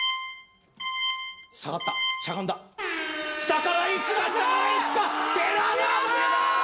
下がったしゃがんだしらすー！